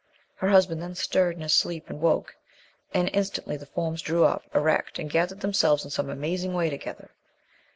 Her husband then stirred in his sleep, and woke. And, instantly, the forms drew up, erect, and gathered themselves in some amazing way together.